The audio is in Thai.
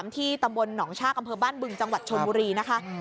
ที่ตำบลหนองชากอำเภอบ้านบึงจังหวัดชนบุรีนะคะ